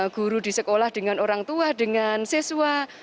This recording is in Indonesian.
guru di sekolah dengan orang tua dengan siswa